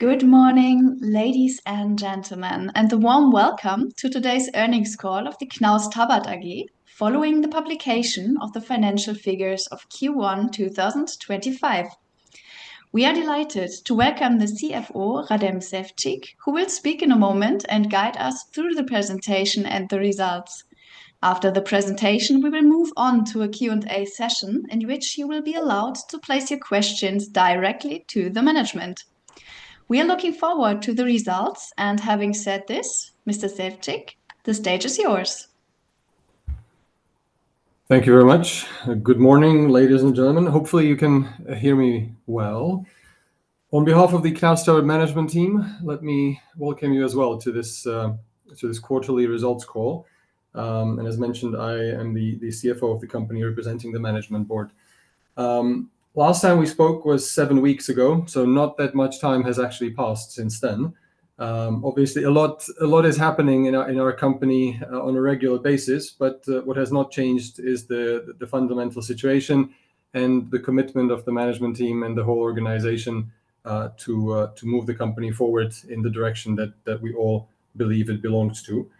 Good morning, ladies and gentlemen, and a warm welcome to today's earnings call of Knaus Tabbert AG, following the publication of the financial figures of Q1 2025. We are delighted to welcome the CFO, Radim Sevcik, who will speak in a moment and guide us through the presentation and the results. After the presentation, we will move on to a Q&A session in which you will be allowed to place your questions directly to the management. We are looking forward to the results, and having said this, Mr. Sevcik, the stage is yours. Thank you very much. Good morning, ladies and gentlemen. Hopefully, you can hear me well. On behalf of the Knaus Tabbert management team, let me welcome you as well to this quarterly results call. As mentioned, I am the CFO of the company representing the management board. Last time we spoke was seven weeks ago, so not that much time has actually passed since then. Obviously, a lot is happening in our company on a regular basis, but what has not changed is the fundamental situation and the commitment of the management team and the whole organization to move the company forward in the direction that we all believe it belongs to.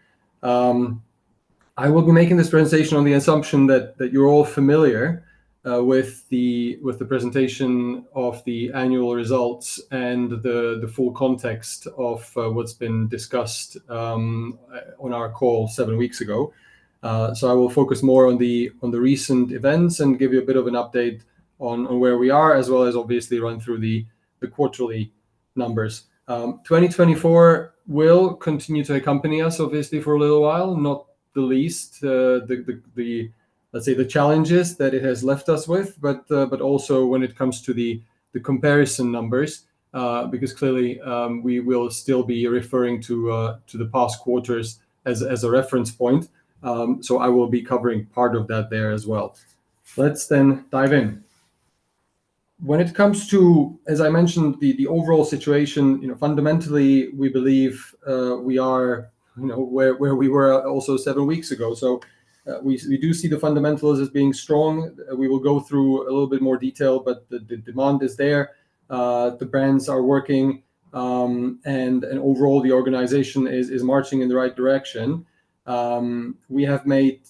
I will be making this presentation on the assumption that you're all familiar with the presentation of the annual results and the full context of what's been discussed on our call seven weeks ago. I will focus more on the recent events and give you a bit of an update on where we are, as well as obviously run through the quarterly numbers. 2024 will continue to accompany us, obviously, for a little while, not the least. Let's say the challenges that it has left us with, but also when it comes to the comparison numbers, because clearly we will still be referring to the past quarters as a reference point. I will be covering part of that there as well. Let's then dive in. When it comes to, as I mentioned, the overall situation, fundamentally, we believe we are where we were also seven weeks ago. We do see the fundamentals as being strong. We will go through a little bit more detail, but the demand is there. The brands are working, and overall, the organization is marching in the right direction. We have made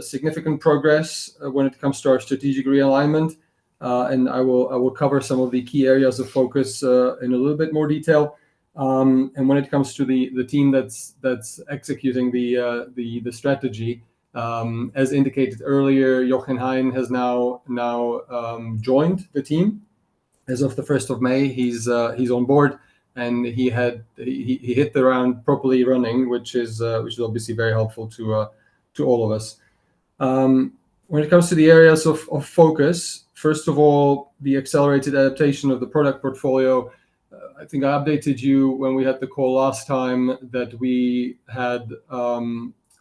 significant progress when it comes to our strategic realignment, and I will cover some of the key areas of focus in a little bit more detail. When it comes to the team that is executing the strategy, as indicated earlier, Jochen Hein has now joined the team. As of the 1st of May, he is on board, and he hit the ground properly running, which is obviously very helpful to all of us. When it comes to the areas of focus, first of all, the accelerated adaptation of the product portfolio. I think I updated you when we had the call last time that we had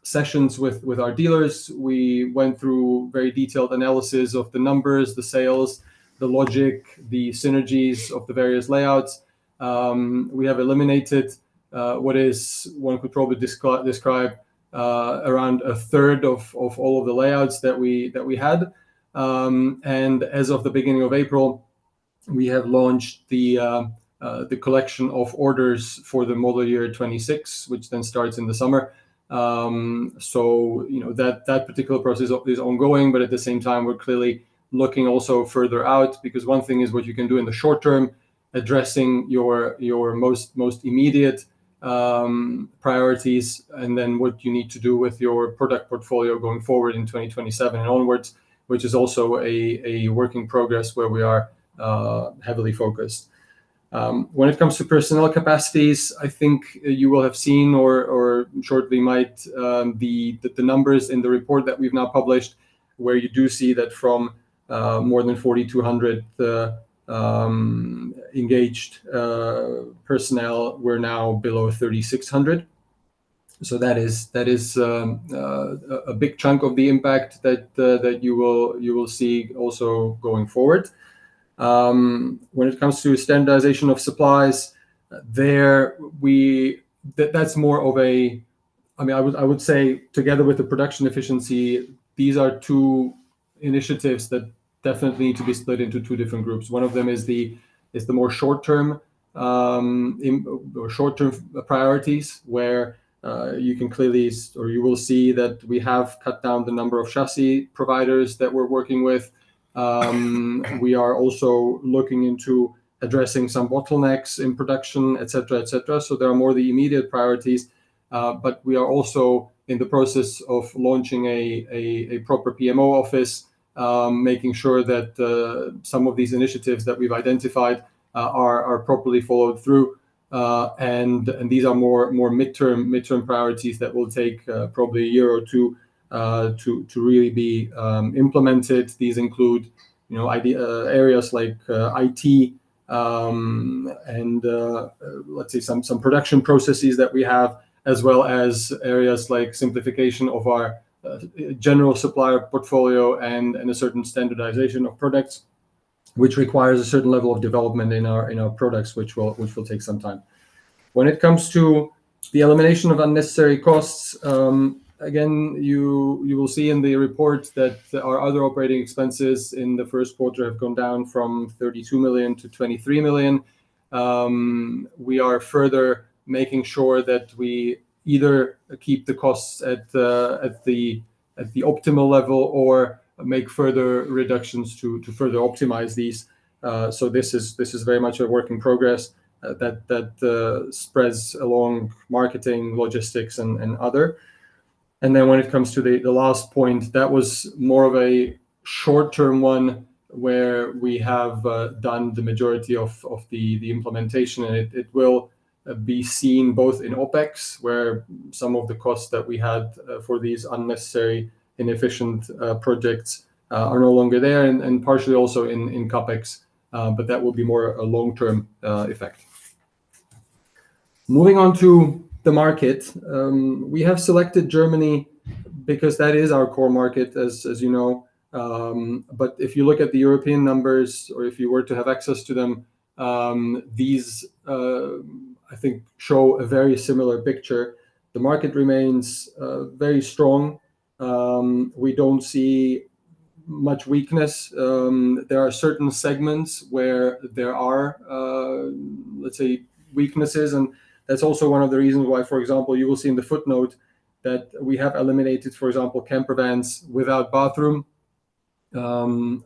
sessions with our dealers. We went through very detailed analysis of the numbers, the sales, the logic, the synergies of the various layouts. We have eliminated what is, one could probably describe, around a third of all of the layouts that we had. As of the beginning of April, we have launched the collection of orders for the model year 2026, which then starts in the summer. That particular process is ongoing, but at the same time, we're clearly looking also further out, because one thing is what you can do in the short term, addressing your most immediate priorities, and then what you need to do with your product portfolio going forward in 2027 and onwards, which is also a work in progress where we are heavily focused. When it comes to personnel capacities, I think you will have seen or shortly might the numbers in the report that we've now published, where you do see that from more than 4,200 engaged personnel, we're now below 3,600. That is a big chunk of the impact that you will see also going forward. When it comes to standardization of supplies, that's more of a, I mean, I would say together with the production efficiency, these are two initiatives that definitely need to be split into two different groups. One of them is the more short-term priorities, where you can clearly, or you will see that we have cut down the number of chassis providers that we're working with. We are also looking into addressing some bottlenecks in production, et cetera, et cetera. There are more of the immediate priorities, but we are also in the process of launching a proper PMO office, making sure that some of these initiatives that we've identified are properly followed through. These are more mid-term priorities that will take probably a year or two to really be implemented. These include areas like IT and, let's say, some production processes that we have, as well as areas like simplification of our general supplier portfolio and a certain standardization of products, which requires a certain level of development in our products, which will take some time. When it comes to the elimination of unnecessary costs, again, you will see in the report that our other operating expenses in the first quarter have gone down from 32 million to 23 million. We are further making sure that we either keep the costs at the optimal level or make further reductions to further optimize these. This is very much a work in progress that spreads along marketing, logistics, and other. When it comes to the last point, that was more of a short-term one where we have done the majority of the implementation, and it will be seen both in OpEx, where some of the costs that we had for these unnecessary, inefficient projects are no longer there, and partially also in CapEx, but that will be more a long-term effect. Moving on to the market, we have selected Germany because that is our core market, as you know. If you look at the European numbers, or if you were to have access to them, these, I think, show a very similar picture. The market remains very strong. We do not see much weakness. There are certain segments where there are, let's say, weaknesses, and that's also one of the reasons why, for example, you will see in the footnote that we have eliminated, for example, camper vans without bathroom,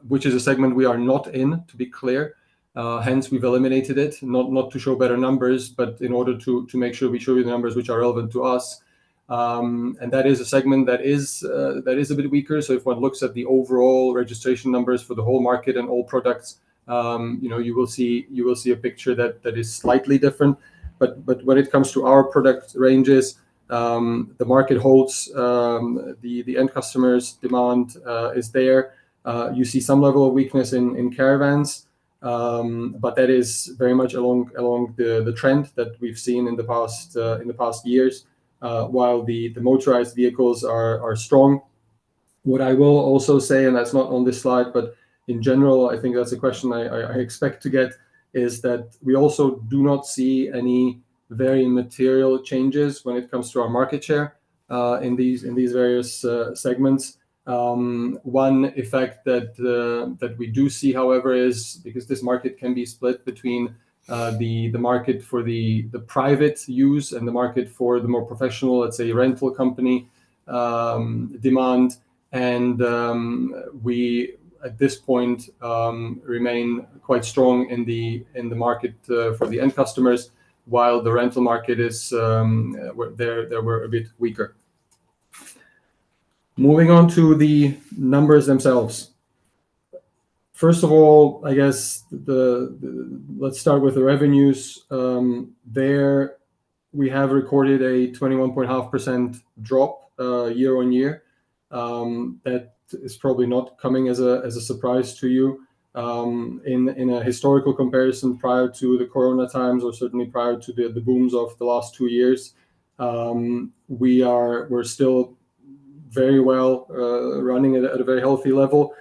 which is a segment we are not in, to be clear. Hence, we've eliminated it, not to show better numbers, but in order to make sure we show you the numbers which are relevant to us. That is a segment that is a bit weaker. If one looks at the overall registration numbers for the whole market and all products, you will see a picture that is slightly different. When it comes to our product ranges, the market holds. The end customer's demand is there. You see some level of weakness in caravans, but that is very much along the trend that we've seen in the past years, while the motorized vehicles are strong. What I will also say, and that's not on this slide, but in general, I think that's a question I expect to get, is that we also do not see any very material changes when it comes to our market share in these various segments. One effect that we do see, however, is because this market can be split between the market for the private use and the market for the more professional, let's say, rental company demand, and we at this point remain quite strong in the market for the end customers, while the rental market is there we are a bit weaker. Moving on to the numbers themselves. First of all, I guess let's start with the revenues. There we have recorded a 21.5% drop year-on-year. That is probably not coming as a surprise to you. In a historical comparison prior to the corona times, or certainly prior to the booms of the last two years, we're still very well running at a very healthy level.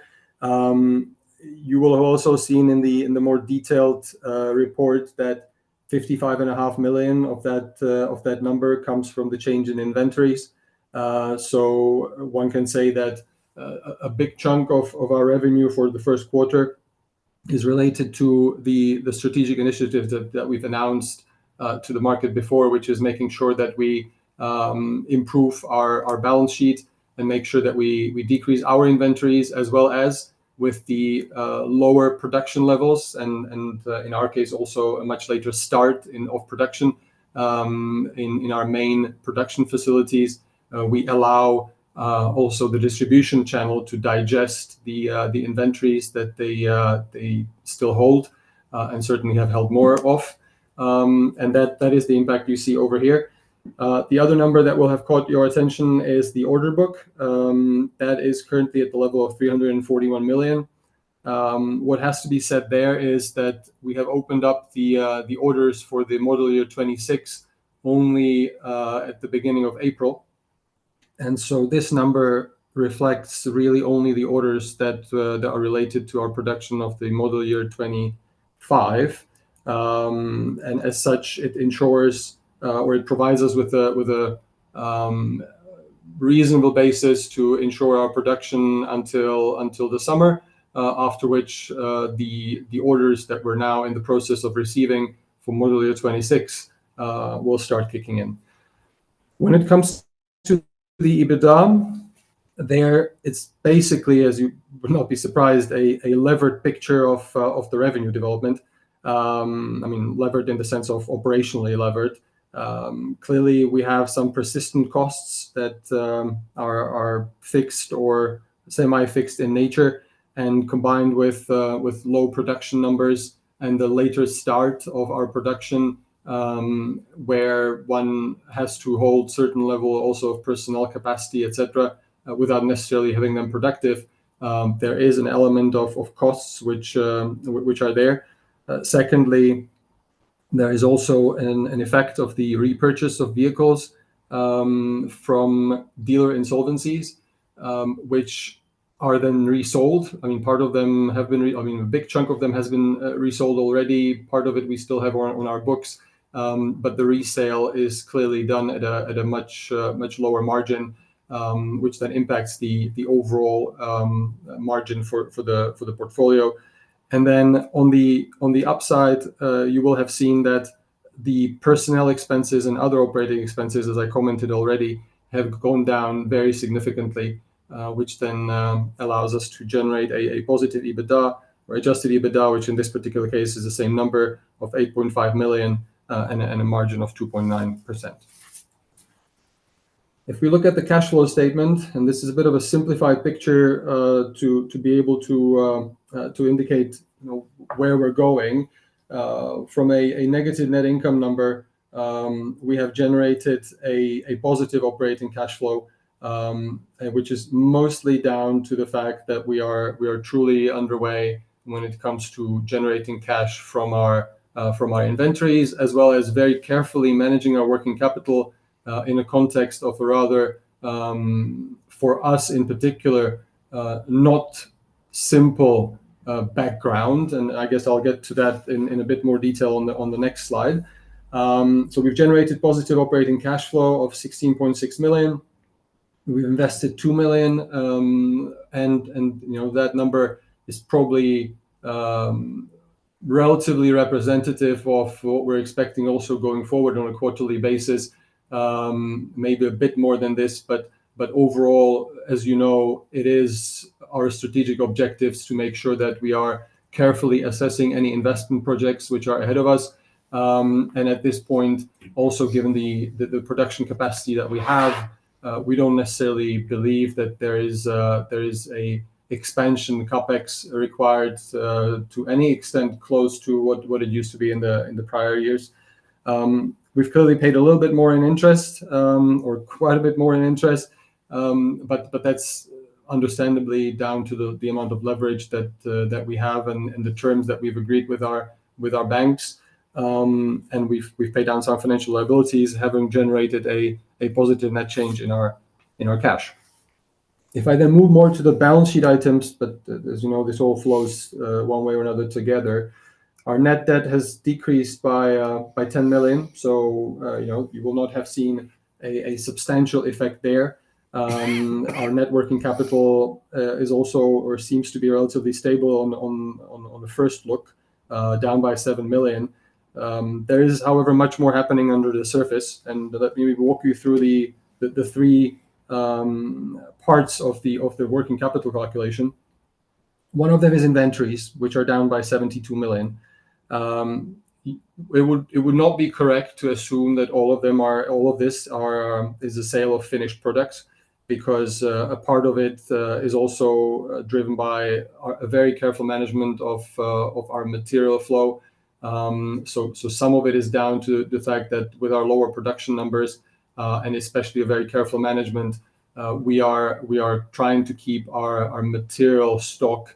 You will have also seen in the more detailed report that 55.5 million of that number comes from the change in inventories. So one can say that a big chunk of our revenue for the first quarter is related to the strategic initiatives that we've announced to the market before, which is making sure that we improve our balance sheet and make sure that we decrease our inventories, as well as with the lower production levels, and in our case, also a much later start of production in our main production facilities. We allow also the distribution channel to digest the inventories that they still hold and certainly have held more of. That is the impact you see over here. The other number that will have caught your attention is the order book. That is currently at the level of 341 million. What has to be said there is that we have opened up the orders for the model year 2026 only at the beginning of April. This number reflects really only the orders that are related to our production of the model year 2025. As such, it ensures or it provides us with a reasonable basis to ensure our production until the summer, after which the orders that we are now in the process of receiving for model year 2026 will start kicking in. When it comes to the EBITDA, there it's basically, as you would not be surprised, a levered picture of the revenue development. I mean, levered in the sense of operationally levered. Clearly, we have some persistent costs that are fixed or semi-fixed in nature, and combined with low production numbers and the later start of our production, where one has to hold certain level also of personnel capacity, et cetera, without necessarily having them productive, there is an element of costs which are there. Secondly, there is also an effect of the repurchase of vehicles from dealer insolvencies, which are then resold. I mean, part of them have been, I mean, a big chunk of them has been resold already. Part of it we still have on our books, but the resale is clearly done at a much lower margin, which then impacts the overall margin for the portfolio. You will have seen that the personnel expenses and other operating expenses, as I commented already, have gone down very significantly, which then allows us to generate a positive EBITDA or adjusted EBITDA, which in this particular case is the same number of 8.5 million and a margin of 2.9%. If we look at the cash flow statement, and this is a bit of a simplified picture to be able to indicate where we're going, from a negative net income number, we have generated a positive operating cash flow, which is mostly down to the fact that we are truly underway when it comes to generating cash from our inventories, as well as very carefully managing our net working capital in a context of a rather, for us in particular, not simple background. I guess I'll get to that in a bit more detail on the next slide. We've generated positive operating cash flow of 16.6 million. We've invested 2 million, and that number is probably relatively representative of what we're expecting also going forward on a quarterly basis, maybe a bit more than this. Overall, as you know, it is our strategic objectives to make sure that we are carefully assessing any investment projects which are ahead of us. At this point, also given the production capacity that we have, we don't necessarily believe that there is an expansion CapEx required to any extent close to what it used to be in the prior years. We've clearly paid a little bit more in interest or quite a bit more in interest, but that's understandably down to the amount of leverage that we have and the terms that we've agreed with our banks. We've paid down some financial liabilities, having generated a positive net change in our cash. If I then move more to the balance sheet items, as you know, this all flows one way or another together. Our net debt has decreased by 10 million, so you will not have seen a substantial effect there. Our net working capital is also or seems to be relatively stable on the first look, down by 7 million. There is, however, much more happening under the surface, and let me walk you through the three parts of the working capital calculation. One of them is inventories, which are down by 72 million. It would not be correct to assume that all of this is a sale of finished products, because a part of it is also driven by a very careful management of our material flow. Some of it is down to the fact that with our lower production numbers, and especially a very careful management, we are trying to keep our material stock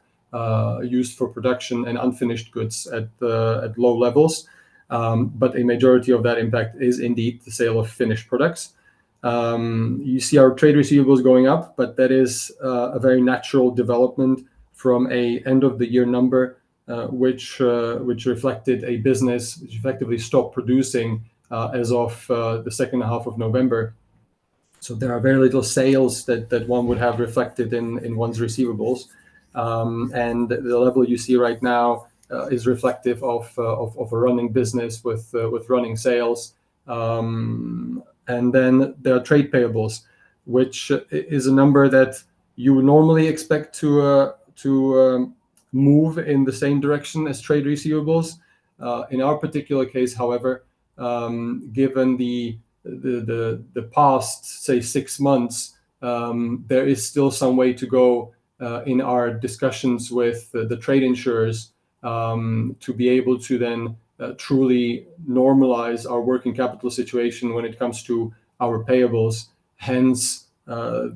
used for production and unfinished goods at low levels. A majority of that impact is indeed the sale of finished products. You see our trade receivables going up, but that is a very natural development from an end-of-the-year number, which reflected a business which effectively stopped producing as of the second half of November. There are very little sales that one would have reflected in one's receivables. The level you see right now is reflective of a running business with running sales. There are trade payables, which is a number that you would normally expect to move in the same direction as trade receivables. In our particular case, however, given the past, say, six months, there is still some way to go in our discussions with the trade insurers to be able to then truly normalize our working capital situation when it comes to our payables. Hence,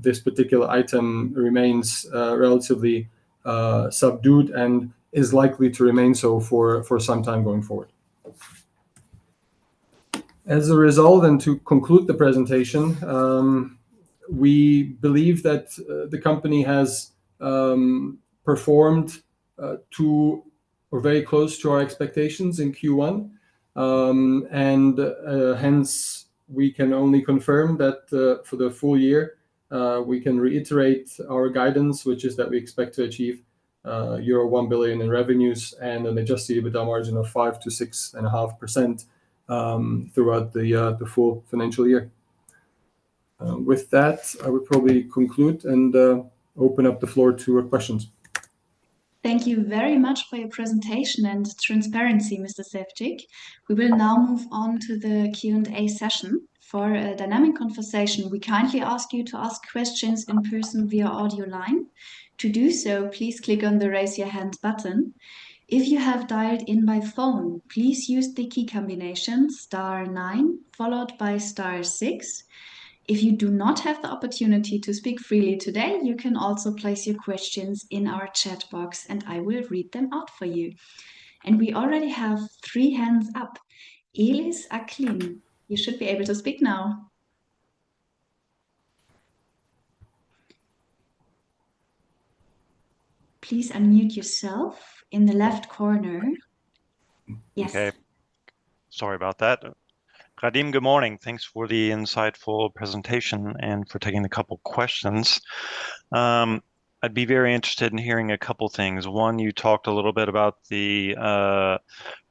this particular item remains relatively subdued and is likely to remain so for some time going forward. As a result, to conclude the presentation, we believe that the company has performed very close to our expectations in Q1. Hence, we can only confirm that for the full year, we can reiterate our guidance, which is that we expect to achieve euro 1 billion in revenues and an adjusted EBITDA margin of 5%-6.5% throughout the full financial year. With that, I would probably conclude and open up the floor to your questions. Thank you very much for your presentation and transparency, Mr. Sevcik. We will now move on to the Q&A session. For a dynamic conversation, we kindly ask you to ask questions in person via audio line. To do so, please click on the raise your hand button. If you have dialed in by phone, please use the key combination star nine followed by star six. If you do not have the opportunity to speak freely today, you can also place your questions in our chat box, and I will read them out for you. We already have three hands up. Ellis Acklin, you should be able to speak now. Please unmute yourself in the left corner. Yes. Okay. Sorry about that. Radim, good morning. Thanks for the insightful presentation and for taking a couple of questions. I'd be very interested in hearing a couple of things. One, you talked a little bit about the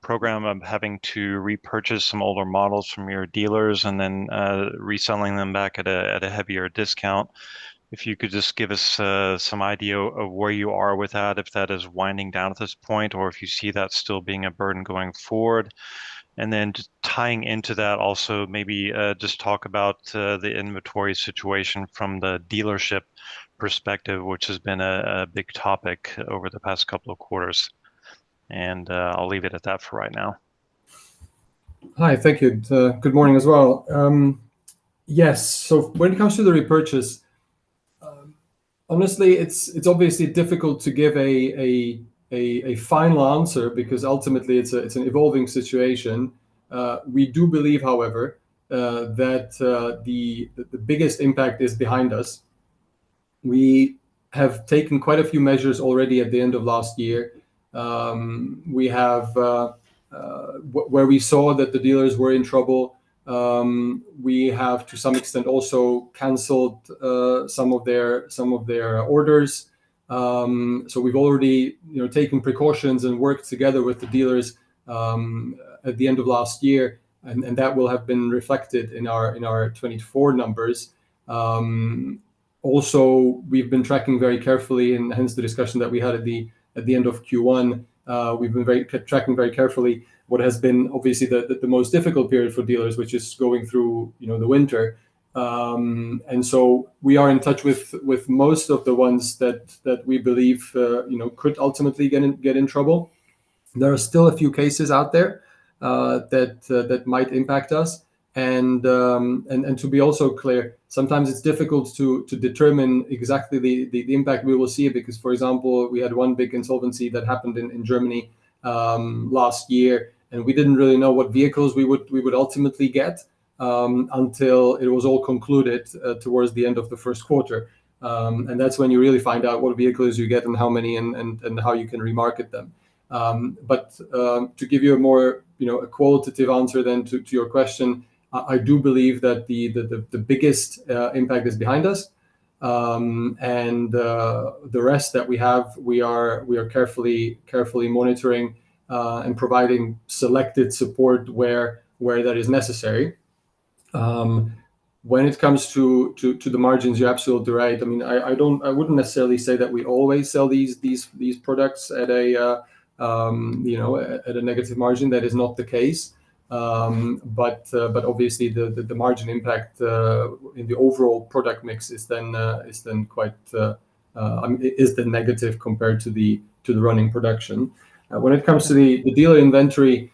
program of having to repurchase some older models from your dealers and then reselling them back at a heavier discount. If you could just give us some idea of where you are with that, if that is winding down at this point, or if you see that still being a burden going forward. Tying into that, also maybe just talk about the inventory situation from the dealership perspective, which has been a big topic over the past couple of quarters. I'll leave it at that for right now. Hi. Thank you. Good morning as well. Yes. When it comes to the repurchase, honestly, it's obviously difficult to give a final answer because ultimately it's an evolving situation. We do believe, however, that the biggest impact is behind us. We have taken quite a few measures already at the end of last year. Where we saw that the dealers were in trouble, we have to some extent also canceled some of their orders. We have already taken precautions and worked together with the dealers at the end of last year, and that will have been reflected in our 2024 numbers. Also, we've been tracking very carefully, and hence the discussion that we had at the end of Q1, we've been tracking very carefully what has been obviously the most difficult period for dealers, which is going through the winter. We are in touch with most of the ones that we believe could ultimately get in trouble. There are still a few cases out there that might impact us. To be also clear, sometimes it is difficult to determine exactly the impact we will see because, for example, we had one big insolvency that happened in Germany last year, and we did not really know what vehicles we would ultimately get until it was all concluded towards the end of the first quarter. That is when you really find out what vehicles you get and how many and how you can remarket them. To give you a more qualitative answer to your question, I do believe that the biggest impact is behind us. The rest that we have, we are carefully monitoring and providing selected support where that is necessary. When it comes to the margins, you're absolutely right. I mean, I wouldn't necessarily say that we always sell these products at a negative margin. That is not the case. Obviously, the margin impact in the overall product mix is then quite negative compared to the running production. When it comes to the dealer inventory,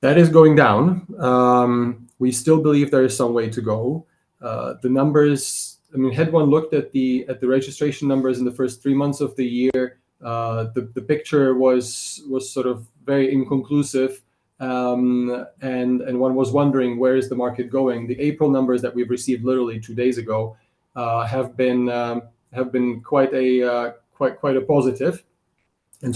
that is going down. We still believe there is some way to go. The numbers, I mean, had one looked at the registration numbers in the first three months of the year, the picture was sort of very inconclusive. One was wondering where is the market going. The April numbers that we've received literally two days ago have been quite a positive.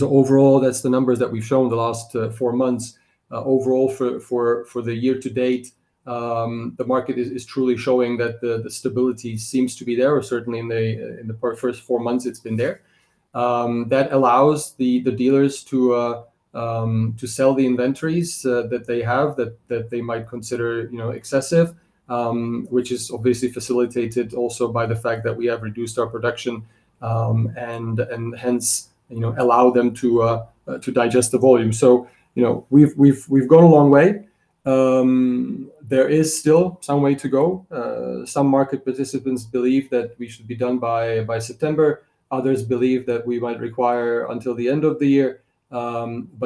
Overall, that's the numbers that we've shown the last four months. Overall, for the year to date, the market is truly showing that the stability seems to be there, or certainly in the first four months it's been there. That allows the dealers to sell the inventories that they have that they might consider excessive, which is obviously facilitated also by the fact that we have reduced our production and hence allow them to digest the volume. We've gone a long way. There is still some way to go. Some market participants believe that we should be done by September. Others believe that we might require until the end of the year.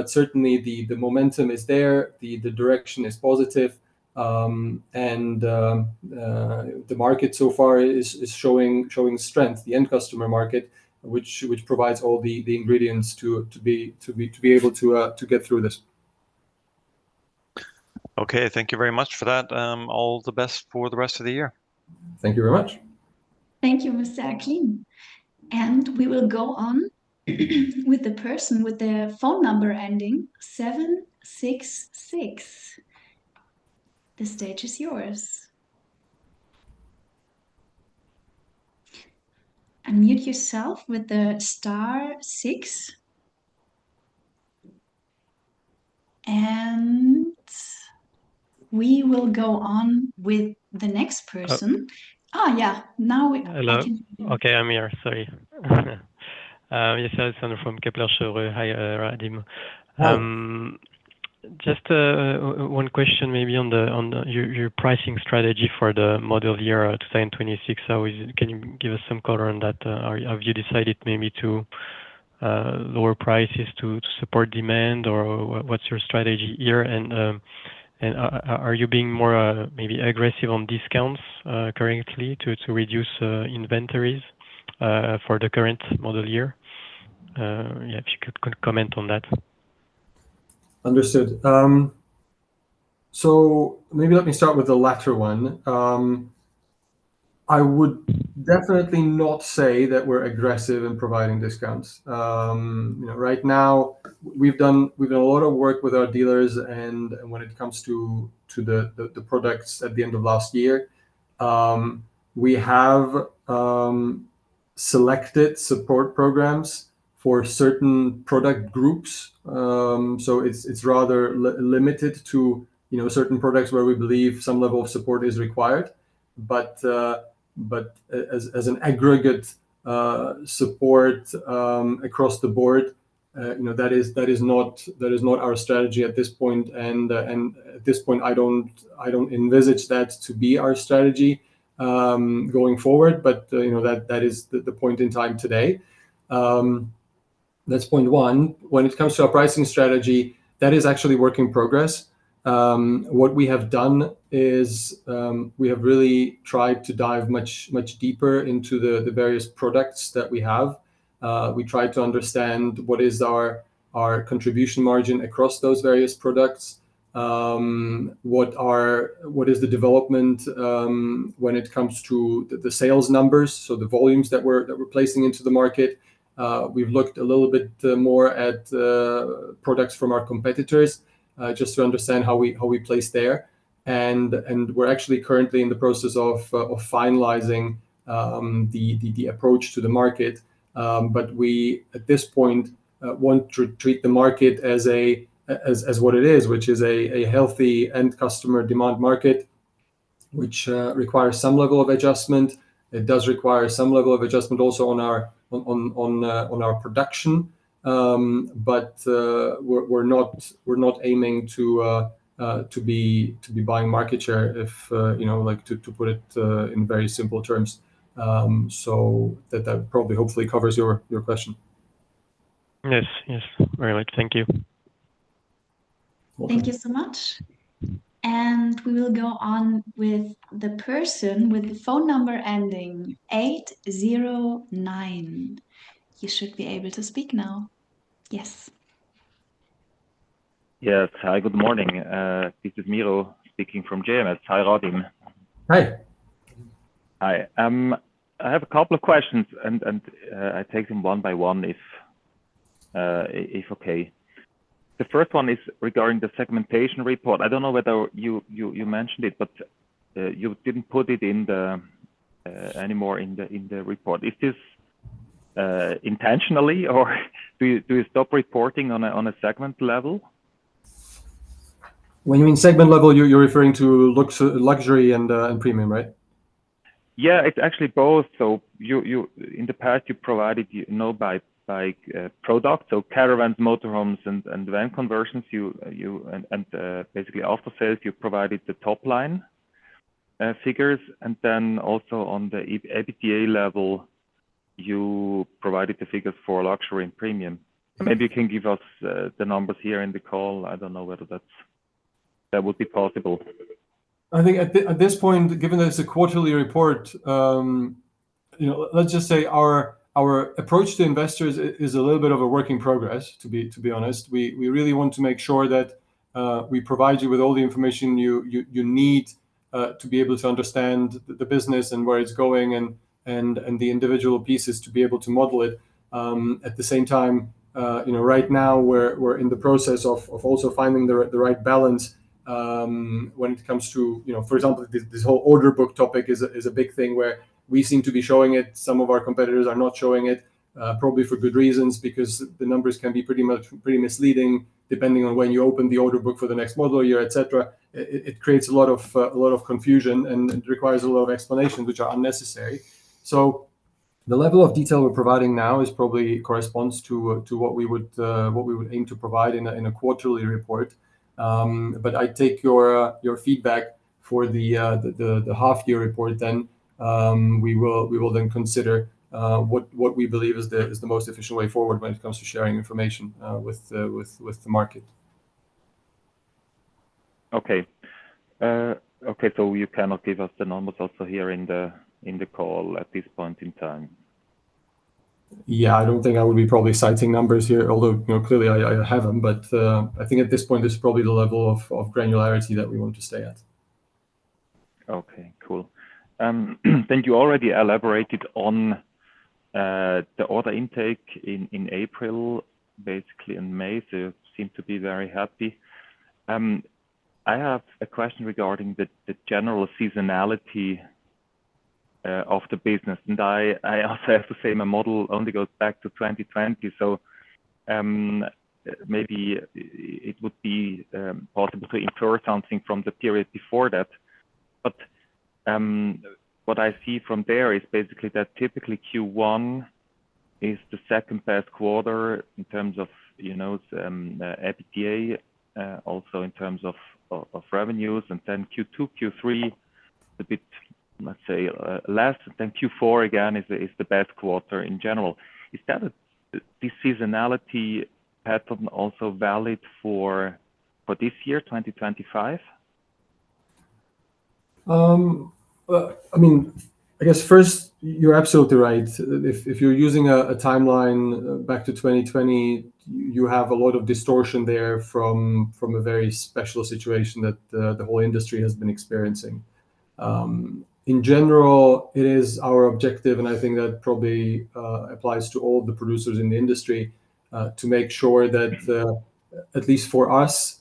Certainly, the momentum is there. The direction is positive. The market so far is showing strength, the end customer market, which provides all the ingredients to be able to get through this. Okay. Thank you very much for that. All the best for the rest of the year. Thank you very much. Thank you, Mr. Acklin. We will go on with the person with the phone number ending 766. The stage is yours. Unmute yourself with the star six. We will go on with the next person. Yeah. Now we can. Hello. Okay. I'm here. Sorry. Yes, I'm from Kepler Cheuvreux. Hi, Radim. Just one question maybe on your pricing strategy for the model year 2026. Can you give us some color on that? Have you decided maybe to lower prices to support demand, or what's your strategy here? Are you being more maybe aggressive on discounts currently to reduce inventories for the current model year? Yeah, if you could comment on that. Understood. Maybe let me start with the latter one. I would definitely not say that we're aggressive in providing discounts. Right now, we've done a lot of work with our dealers, and when it comes to the products at the end of last year, we have selected support programs for certain product groups. It is rather limited to certain products where we believe some level of support is required. As an aggregate support across the board, that is not our strategy at this point. At this point, I do not envisage that to be our strategy going forward, but that is the point in time today. That is point one. When it comes to our pricing strategy, that is actually work in progress. What we have done is we have really tried to dive much deeper into the various products that we have. We tried to understand what is our contribution margin across those various products, what is the development when it comes to the sales numbers, so the volumes that we're placing into the market. We've looked a little bit more at products from our competitors just to understand how we place there. We're actually currently in the process of finalizing the approach to the market. We, at this point, want to treat the market as what it is, which is a healthy end customer demand market, which requires some level of adjustment. It does require some level of adjustment also on our production. We're not aiming to be buying market share, if to put it in very simple terms. That probably hopefully covers your question. Yes. Yes. Very much. Thank you. Thank you so much. We will go on with the person with the phone number ending 809. You should be able to speak now. Yes. Yes. Hi. Good morning. This is Miro speaking from JMS. Hi, Radim. Hi. Hi. I have a couple of questions, and I'll take them one by one if okay. The first one is regarding the segmentation report. I do not know whether you mentioned it, but you did not put it anymore in the report. Is this intentionally, or do you stop reporting on a segment level? When you mean segment level, you are referring to luxury and premium, right? Yeah. It is actually both. In the past, you provided by product, so caravans, motorhomes, and van conversions, and basically after sales, you provided the top-line figures. And then also on the EBITDA level, you provided the figures for luxury and premium. Maybe you can give us the numbers here in the call. I do not know whether that would be possible. I think at this point, given that it is a quarterly report, let's just say our approach to investors is a little bit of a work in progress, to be honest. We really want to make sure that we provide you with all the information you need to be able to understand the business and where it is going and the individual pieces to be able to model it. At the same time, right now, we are in the process of also finding the right balance when it comes to, for example, this whole order book topic is a big thing where we seem to be showing it. Some of our competitors are not showing it, probably for good reasons, because the numbers can be pretty misleading depending on when you open the order book for the next model year, etc. It creates a lot of confusion and requires a lot of explanations, which are unnecessary. The level of detail we're providing now probably corresponds to what we would aim to provide in a quarterly report. I take your feedback for the half-year report, then we will then consider what we believe is the most efficient way forward when it comes to sharing information with the market. Okay. Okay. You cannot give us the numbers also here in the call at this point in time? Yeah. I don't think I would be probably citing numbers here, although clearly I have them. I think at this point, there's probably the level of granularity that we want to stay at. Okay. Cool. You already elaborated on the order intake in April, basically in May. You seem to be very happy. I have a question regarding the general seasonality of the business. I also have to say my model only goes back to 2020. Maybe it would be possible to infer something from the period before that. What I see from there is basically that typically Q1 is the second-best quarter in terms of EBITDA, also in terms of revenues. Q2, Q3, a bit, let's say, less. Q4 again is the best quarter in general. Is that a seasonality pattern also valid for this year, 2025? I mean, I guess first, you're absolutely right. If you're using a timeline back to 2020, you have a lot of distortion there from a very special situation that the whole industry has been experiencing. In general, it is our objective, and I think that probably applies to all the producers in the industry, to make sure that at least for us,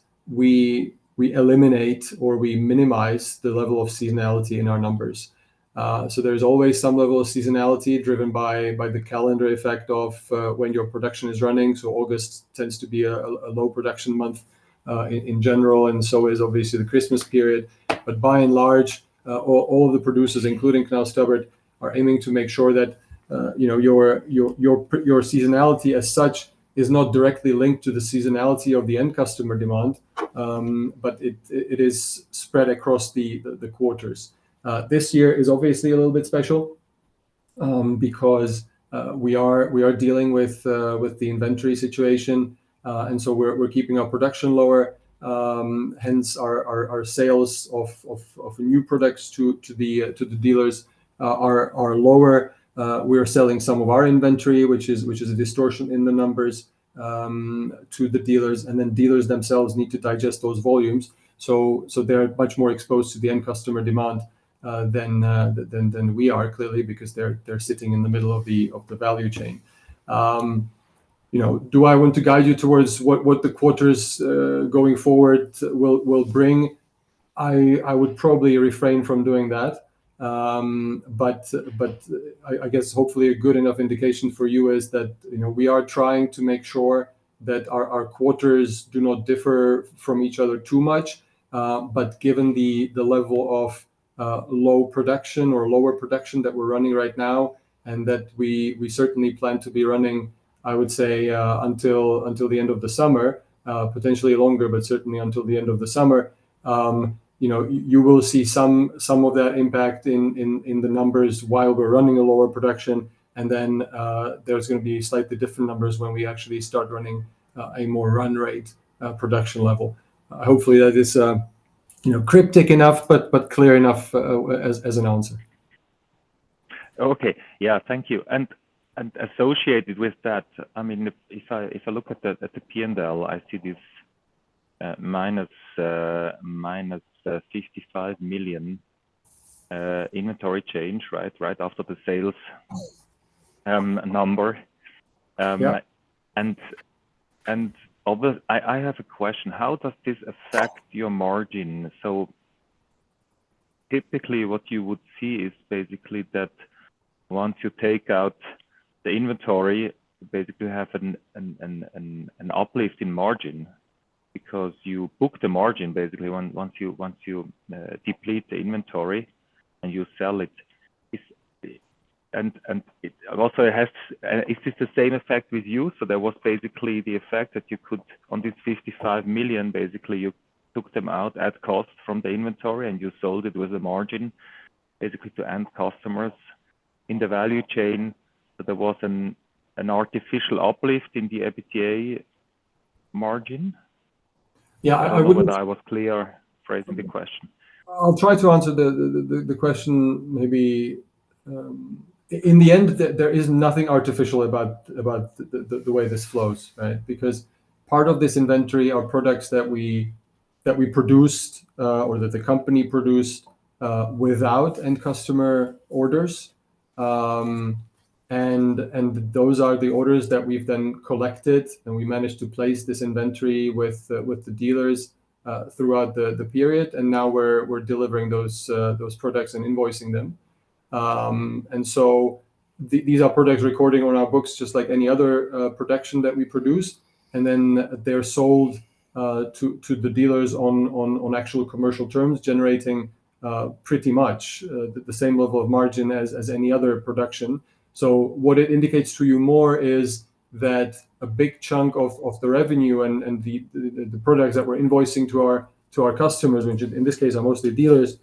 we eliminate or we minimize the level of seasonality in our numbers. There is always some level of seasonality driven by the calendar effect of when your production is running. August tends to be a low production month in general, and so is obviously the Christmas period. By and large, all the producers, including Knaus Tabbert, are aiming to make sure that your seasonality as such is not directly linked to the seasonality of the end customer demand, but it is spread across the quarters. This year is obviously a little bit special because we are dealing with the inventory situation. We are keeping our production lower. Hence, our sales of new products to the dealers are lower. We are selling some of our inventory, which is a distortion in the numbers, to the dealers. Dealers themselves need to digest those volumes. They are much more exposed to the end customer demand than we are, clearly, because they are sitting in the middle of the value chain. Do I want to guide you towards what the quarters going forward will bring? I would probably refrain from doing that. I guess hopefully a good enough indication for you is that we are trying to make sure that our quarters do not differ from each other too much. Given the level of low production or lower production that we are running right now, and that we certainly plan to be running, I would say, until the end of the summer, potentially longer, but certainly until the end of the summer, you will see some of that impact in the numbers while we are running a lower production. There are going to be slightly different numbers when we actually start running a more run rate production level. Hopefully, that is cryptic enough but clear enough as an answer. Okay. Yeah. Thank you. Associated with that, I mean, if I look at the P&L, I see this - 55 million inventory change, right, right after the sales number. I have a question. How does this affect your margin? Typically, what you would see is basically that once you take out the inventory, basically you have an uplift in margin because you book the margin basically once you deplete the inventory and you sell it. Also, is this the same effect with you? There was basically the effect that you could, on this 55 million, basically you took them out at cost from the inventory and you sold it with a margin basically to end customers in the value chain. There was an artificial uplift in the EBITDA margin. Yeah. I would not. I was clear phrasing the question. I'll try to answer the question maybe. In the end, there is nothing artificial about the way this flows, right? Because part of this inventory are products that we produced or that the company produced without end customer orders. Those are the orders that we've then collected, and we managed to place this inventory with the dealers throughout the period. Now we're delivering those products and invoicing them. These are products recording on our books just like any other production that we produce. Then they're sold to the dealers on actual commercial terms, generating pretty much the same level of margin as any other production. What it indicates to you more is that a big chunk of the revenue and the products that we're invoicing to our customers, which in this case are mostly dealers,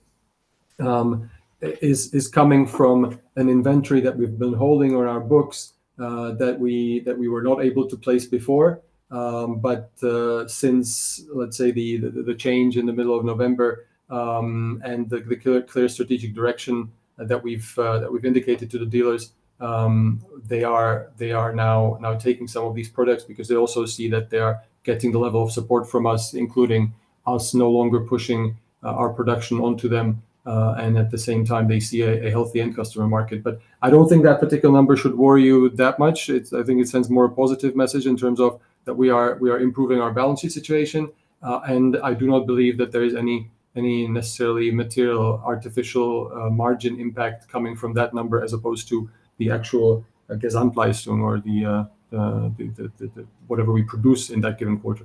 is coming from an inventory that we've been holding on our books that we were not able to place before. Since, let's say, the change in the middle of November and the clear strategic direction that we've indicated to the dealers, they are now taking some of these products because they also see that they are getting the level of support from us, including us no longer pushing our production onto them. At the same time, they see a healthy end customer market. I do not think that particular number should worry you that much. I think it sends more a positive message in terms of that we are improving our balance sheet situation. I do not believe that there is any necessarily material, artificial margin impact coming from that number as opposed to the actual Gesamtleistung or whatever we produce in that given quarter.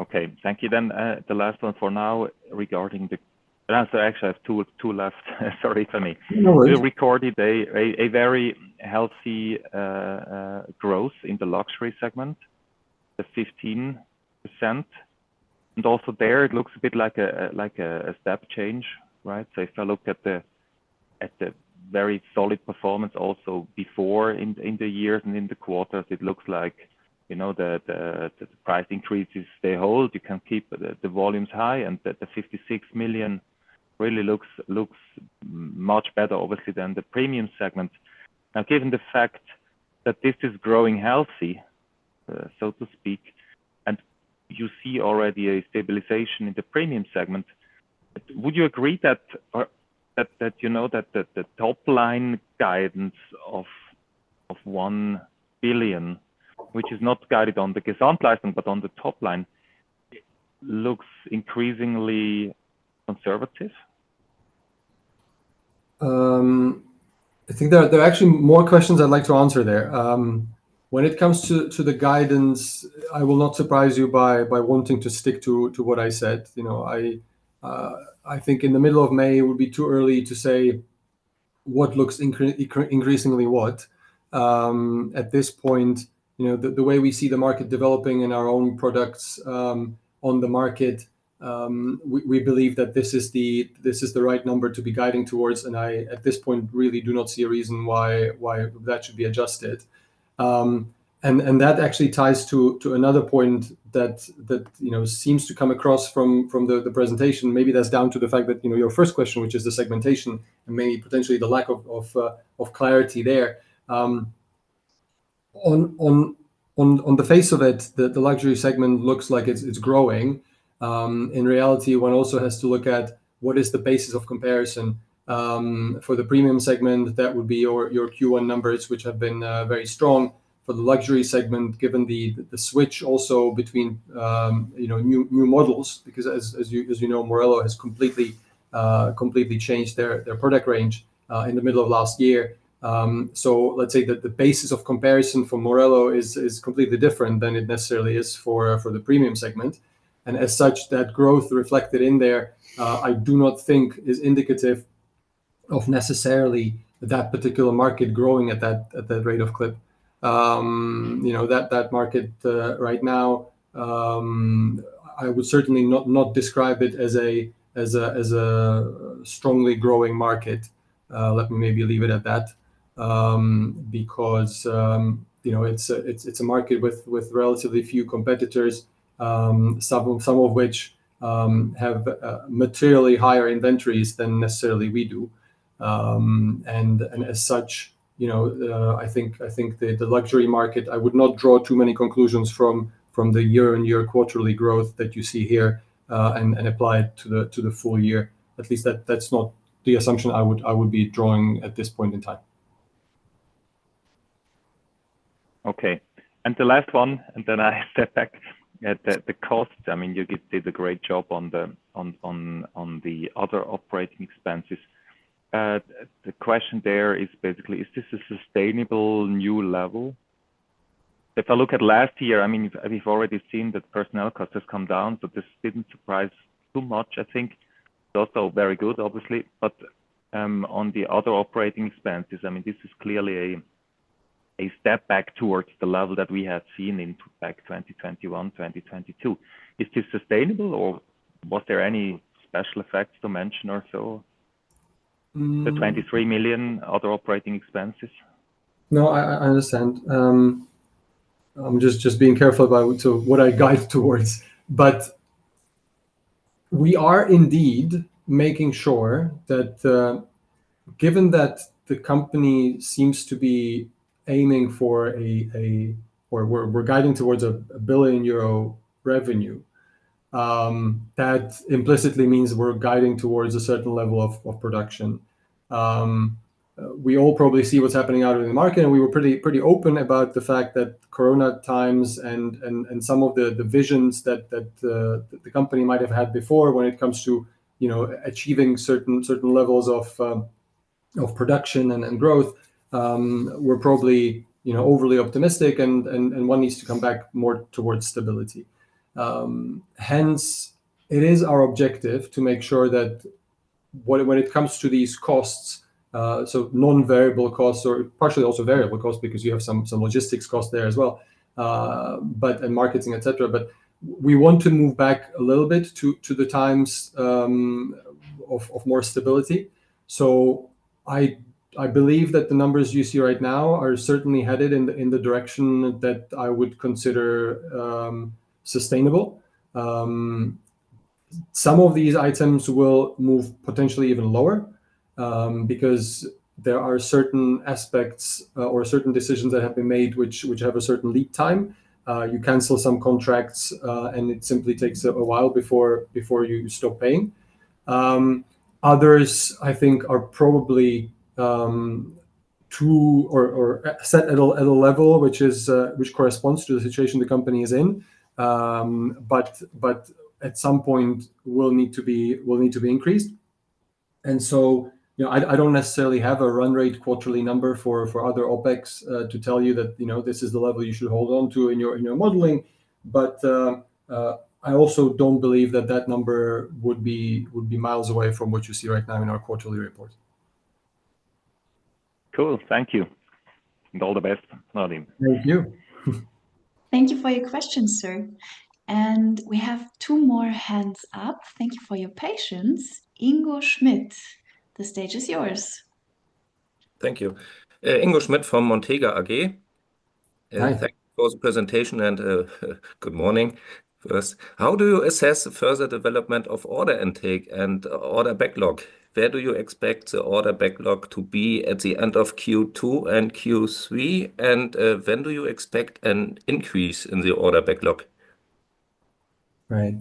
Okay. Thank you. The last one for now regarding the—I'm sorry, actually, I have two left. Sorry for me. We recorded a very healthy growth in the luxury segment, the 15%. Also there, it looks a bit like a step change, right? If I look at the very solid performance also before in the years and in the quarters, it looks like the price increases stay hold. You can keep the volumes high. The 56 million really looks much better, obviously, than the premium segment. Now, given the fact that this is growing healthy, so to speak, and you see already a stabilization in the premium segment, would you agree that you know that the top-line guidance of 1 billion, which is not guided on the Gesamtleistung but on the top line, looks increasingly conservative? I think there are actually more questions I'd like to answer there. When it comes to the guidance, I will not surprise you by wanting to stick to what I said. I think in the middle of May, it would be too early to say what looks increasingly what. At this point, the way we see the market developing and our own products on the market, we believe that this is the right number to be guiding towards. I, at this point, really do not see a reason why that should be adjusted. That actually ties to another point that seems to come across from the presentation. Maybe that is down to the fact that your first question, which is the segmentation, and maybe potentially the lack of clarity there. On the face of it, the luxury segment looks like it is growing. In reality, one also has to look at what is the basis of comparison. For the premium segment, that would be your Q1 numbers, which have been very strong. For the luxury segment, given the switch also between new models, because as you know, MORELO has completely changed their product range in the middle of last year. Let's say that the basis of comparison for MORELO is completely different than it necessarily is for the premium segment. As such, that growth reflected in there, I do not think is indicative of necessarily that particular market growing at that rate of clip. That market right now, I would certainly not describe it as a strongly growing market. Let me maybe leave it at that because it's a market with relatively few competitors, some of which have materially higher inventories than necessarily we do. As such, I think the luxury market, I would not draw too many conclusions from the year-on-year quarterly growth that you see here and apply it to the full year. At least that's not the assumption I would be drawing at this point in time. Okay. The last one, and then I step back at the cost. I mean, you did a great job on the other operating expenses. The question there is basically, is this a sustainable new level? If I look at last year, I mean, we've already seen that personnel cost has come down, so this didn't surprise too much, I think. It's also very good, obviously. On the other operating expenses, I mean, this is clearly a step back towards the level that we have seen in back 2021, 2022. Is this sustainable, or was there any special effects to mention or so? The 23 million other operating expenses? No, I understand. I'm just being careful about what I guide towards. We are indeed making sure that given that the company seems to be aiming for, or we're guiding towards, 1 billion euro revenue, that implicitly means we're guiding towards a certain level of production. We all probably see what's happening out in the market, and we were pretty open about the fact that corona times and some of the visions that the company might have had before when it comes to achieving certain levels of production and growth were probably overly optimistic, and one needs to come back more towards stability. Hence, it is our objective to make sure that when it comes to these costs, so non-variable costs or partially also variable costs because you have some logistics cost there as well, and marketing, etc., but we want to move back a little bit to the times of more stability. I believe that the numbers you see right now are certainly headed in the direction that I would consider sustainable. Some of these items will move potentially even lower because there are certain aspects or certain decisions that have been made which have a certain lead time. You cancel some contracts, and it simply takes a while before you stop paying. Others, I think, are probably set at a level which corresponds to the situation the company is in, but at some point will need to be increased. I do not necessarily have a run rate quarterly number for other OpEx to tell you that this is the level you should hold on to in your modeling. I also do not believe that that number would be miles away from what you see right now in our quarterly report. Cool. Thank you. And all the best, Radim. Thank you. Thank you for your questions, sir. We have two more hands up. Thank you for your patience. Ingo Schmidt, the stage is yours. Thank you. Ingo Schmidt from Montega AG. Thank you for the presentation and good morning first. How do you assess the further development of order intake and order backlog? Where do you expect the order backlog to be at the end of Q2 and Q3? When do you expect an increase in the order backlog? Right.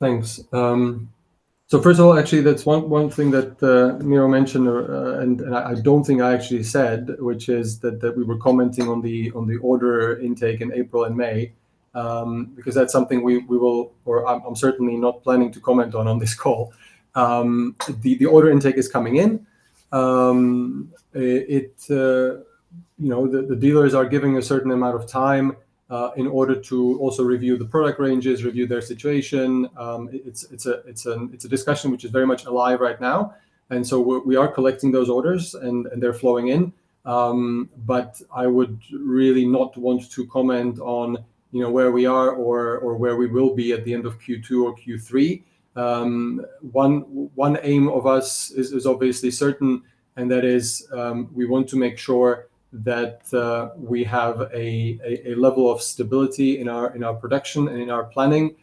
Thanks. First of all, actually, that is one thing that Miro mentioned, and I do not think I actually said, which is that we were commenting on the order intake in April and May because that is something we will, or I am certainly not planning to comment on this call. The order intake is coming in. The dealers are giving a certain amount of time in order to also review the product ranges, review their situation. It is a discussion which is very much alive right now. We are collecting those orders, and they are flowing in. I would really not want to comment on where we are or where we will be at the end of Q2 or Q3. One aim of us is obviously certain, and that is we want to make sure that we have a level of stability in our production and in our planning,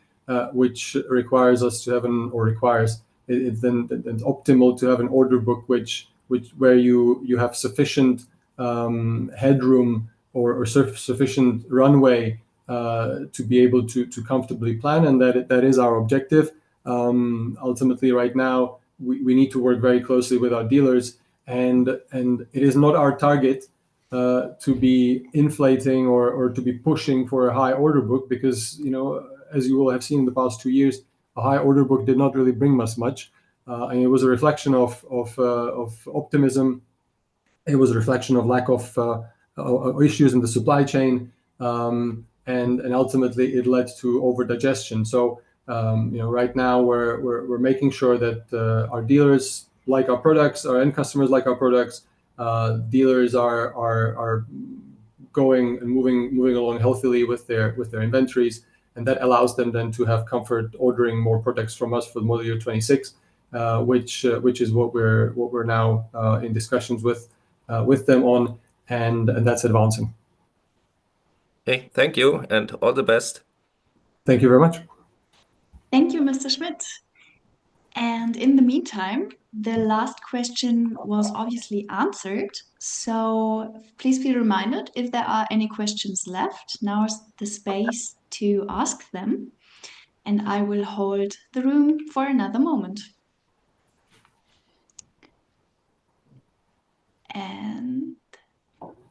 which requires us to have an, or requires, it is optimal to have an order book where you have sufficient headroom or sufficient runway to be able to comfortably plan. That is our objective. Ultimately, right now, we need to work very closely with our dealers. It is not our target to be inflating or to be pushing for a high order book because, as you will have seen in the past two years, a high order book did not really bring us much. It was a reflection of optimism. It was a reflection of lack of issues in the supply chain. Ultimately, it led to over-digestion. Right now, we are making sure that our dealers like our products, our end customers like our products, dealers are going and moving along healthily with their inventories. That allows them then to have comfort ordering more products from us for the model year 2026, which is what we are now in discussions with them on. That is advancing. Okay. Thank you. All the best. Thank you very much. Thank you, Mr. Schmidt. In the meantime, the last question was obviously answered. Please be reminded if there are any questions left. Now is the space to ask them. I will hold the room for another moment.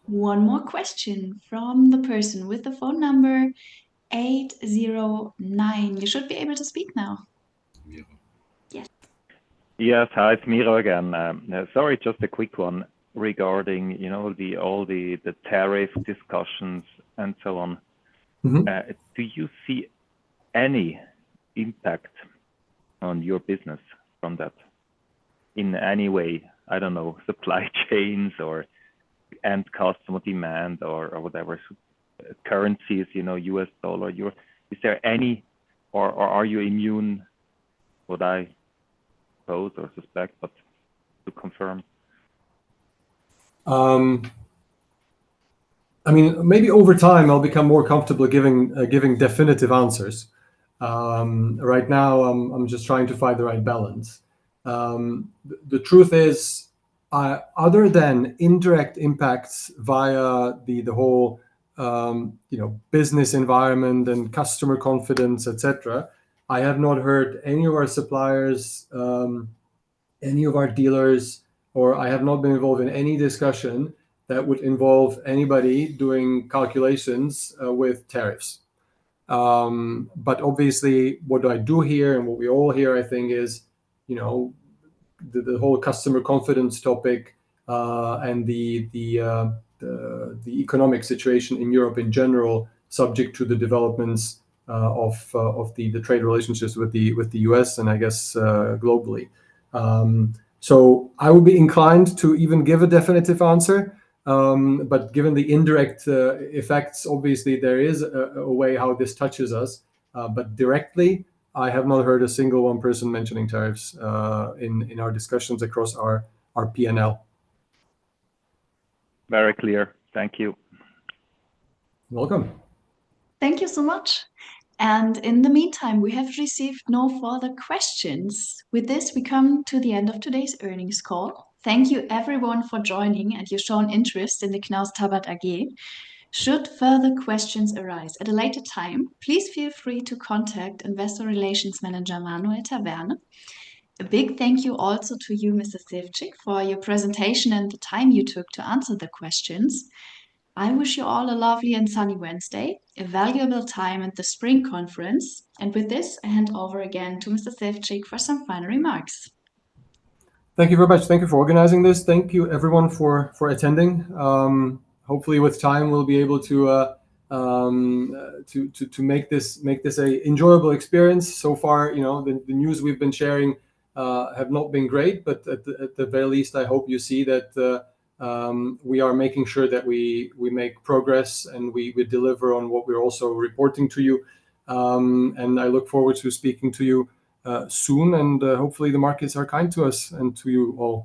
One more question from the person with the phone number 809. You should be able to speak now. Yes. Yes. Hi, it's Miro again. Sorry, just a quick one regarding all the tariff discussions and so on. Do you see any impact on your business from that in any way? I don't know, supply chains or end customer demand or whatever, currencies, US dollar, euro. Is there any, or are you immune? Would I suppose or suspect, but to confirm. I mean, maybe over time, I'll become more comfortable giving definitive answers. Right now, I'm just trying to find the right balance. The truth is, other than indirect impacts via the whole business environment and customer confidence, etc., I have not heard any of our suppliers, any of our dealers, or I have not been involved in any discussion that would involve anybody doing calculations with tariffs. Obviously, what I do hear and what we all hear, I think, is the whole customer confidence topic and the economic situation in Europe in general, subject to the developments of the trade relationships with the U.S. and I guess globally. I would be inclined to even give a definitive answer. Given the indirect effects, obviously, there is a way how this touches us. Directly, I have not heard a single one person mentioning tariffs in our discussions across our P&L. Very clear. Thank you. You're welcome. Thank you so much. In the meantime, we have received no further questions. With this, we come to the end of today's earnings call. Thank you, everyone, for joining and your shown interest in Knaus Tabbert AG. Should further questions arise at a later time, please feel free to contact Investor Relations Manager Manuel Taverne. A big thank you also to you, Mr. Sevcik, for your presentation and the time you took to answer the questions. I wish you all a lovely and sunny Wednesday, a valuable time at the spring conference. With this, I hand over again to Mr. Sevcik for some final remarks. Thank you very much. Thank you for organizing this. Thank you, everyone, for attending. Hopefully, with time, we'll be able to make this an enjoyable experience. So far, the news we've been sharing have not been great, but at the very least, I hope you see that we are making sure that we make progress and we deliver on what we're also reporting to you. I look forward to speaking to you soon. Hopefully, the markets are kind to us and to you all.